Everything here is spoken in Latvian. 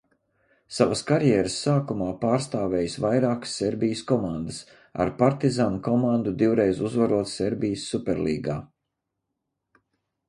"Savas karjeras sākumā pārstāvējis vairākas Serbijas komandas, ar "Partizan" komandu divreiz uzvarot Serbijas Superlīgā."